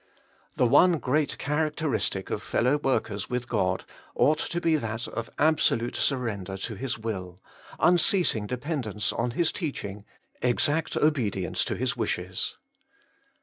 The one great charac teristic of fellow workers with God ought to be that of absolute surrender to His will, unceasing dependence on His teaching, exact obedience to His wishes.